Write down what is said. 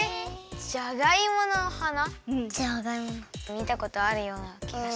みたことあるようなきがした。